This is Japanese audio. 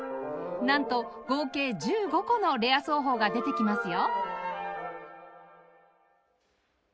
なんと合計１５個のレア奏法が出てきますよ